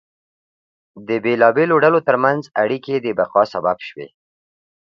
د بېلابېلو ډلو ترمنځ اړیکې د بقا سبب شوې.